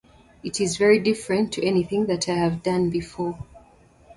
It is very different to anything that I have done before.